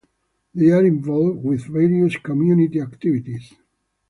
They are involved with various community activities.